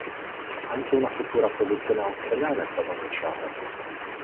Anche una futura produzione australiana è stata annunciata.